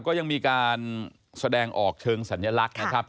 ก็ยังมีการแสดงออกเชิงสัญลักษณ์นะครับ